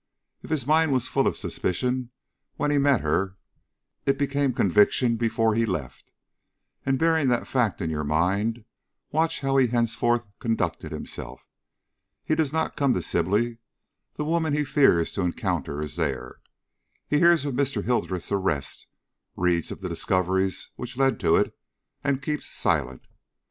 If his mind was full of suspicion when he met her, it became conviction before he left; and, bearing that fact in your mind, watch how he henceforth conducted himself. He does not come to Sibley; the woman he fears to encounter is there. He hears of Mr. Hildreth's arrest, reads of the discoveries which led to it, and keeps silent.